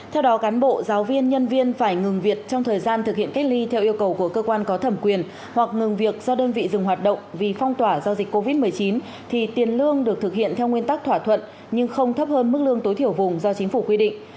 theo đó cán bộ giáo viên nhân viên phải ngừng việc trong thời gian thực hiện cách ly theo yêu cầu của cơ quan có thẩm quyền hoặc ngừng việc do đơn vị dừng hoạt động vì phong tỏa do dịch covid một mươi chín thì tiền lương được thực hiện theo nguyên tắc thỏa thuận nhưng không thấp hơn mức lương tối thiểu vùng do chính phủ quy định